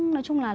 nói chung là